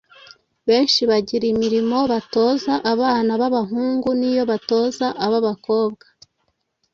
Benshi bagira imirimo batoza abana b’abahungu n’iyo batoza ab’abakobwa.